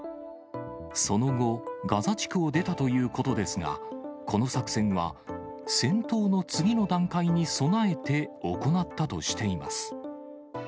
その後、ガザ地区を出たということですが、この作戦は戦闘の次の段階に備えて行ったとしています。